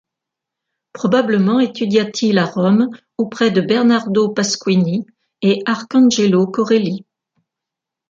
Probablement étudia-t-il à Rome auprès de Bernardo Pasquini et Arcangelo Corelli.